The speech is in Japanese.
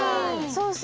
そうそう。